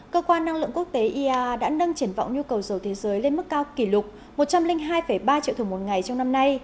cơ quan năng lượng quốc tế iaea đã nâng triển vọng nhu cầu dầu thế giới lên mức cao kỷ lục một trăm linh hai ba triệu thùng một ngày trong năm nay